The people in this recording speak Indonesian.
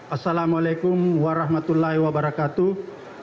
assalamualaikum warahmatullahi wabarakatuh